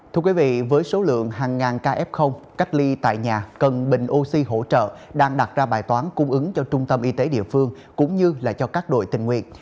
thưa quý vị với số lượng hàng ngàn ca f cách ly tại nhà cần bình oxy hỗ trợ đang đặt ra bài toán cung ứng cho trung tâm y tế địa phương cũng như cho các đội tình nguyện